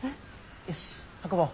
よし運ぼう。